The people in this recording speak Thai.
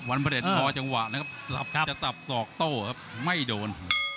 พระเด็จพอจังหวะนะครับจะสับสอกโต้ครับไม่โดน